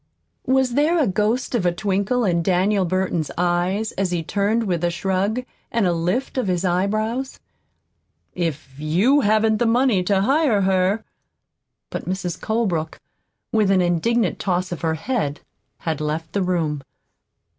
(Was there a ghost of a twinkle in Daniel Burton's eyes as he turned with a shrug and a lift of his eyebrows?) "If YOU haven't the money to hire her " But Mrs. Colebrook, with an indignant toss of her head, had left the room.